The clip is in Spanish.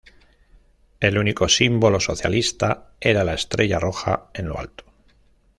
El único símbolo socialista era la estrella roja en lo alto.